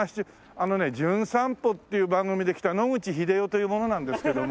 あのね『じゅん散歩』っていう番組で来た野口英世という者なんですけども。